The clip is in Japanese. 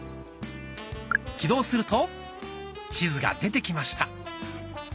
起動すると地図が出てきました。